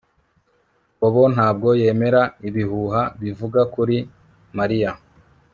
Bobo ntabwo yemera ibihuha bivuga kuri Mariya